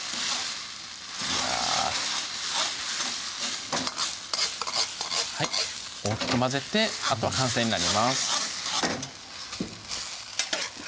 いやはい大きく混ぜてあとは完成になります